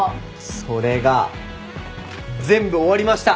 それが全部終わりました！